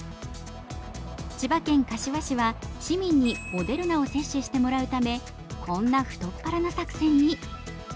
千葉県柏市は、市民にモデルナを接種してもらうため、こんな太っ腹な作戦に。